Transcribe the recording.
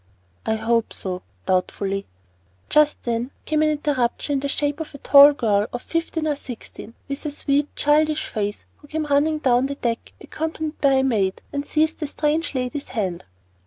"I hope so" doubtfully. Just then came an interruption in the shape of a tall girl of fifteen or sixteen, with a sweet, childish face who came running down the deck accompanied by a maid, and seized the strange lady's hand.